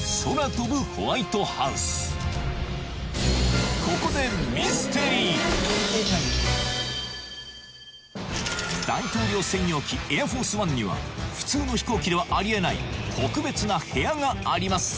まさにここでミステリー大統領専用機エアフォースワンには普通の飛行機ではありえない特別な部屋があります